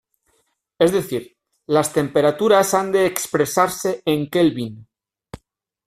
Es decir, las temperaturas han de expresarse en kelvin.